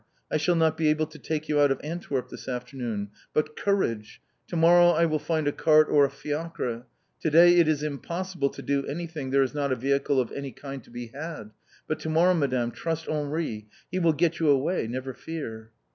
I shall not be able to take you out of Antwerp this afternoon. But courage! to morrow I will find a cart or a fiacre. To day it is impossible to do anything, there is not a vehicle of any kind to be had. But to morrow, Madame, trust Henri; He will get you away, never fear!"